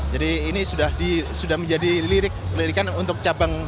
jadi ini sudah menjadi lirikan untuk cabang pelajar